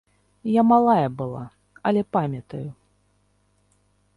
Я малая была, але памятаю.